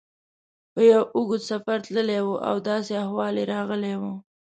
په یو اوږد سفر تللی و او داسې احوال یې راغلی و.